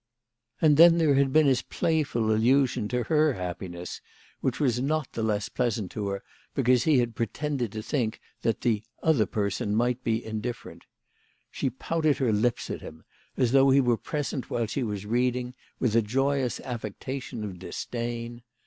And then there had been his playful allusion to her happiness, which was not the THE LADY OF LAUNAY. 165 less pleasant to her because he had pretended to think that the " other person might be indifferent." She pouted her lips at him, as though he were present while she was reading, with a joyous affectation of disdain.